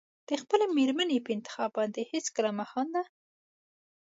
د خپلې مېرمنې په انتخاب باندې هېڅکله مه خانده.